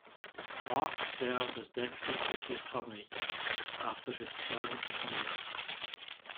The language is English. Clark served as Deputy City Attorney after his term as mayor.